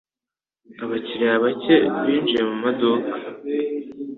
Abakiriya bake binjiye mumaduka.